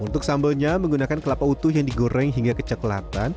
untuk sambalnya menggunakan kelapa utuh yang digoreng hingga kecoklatan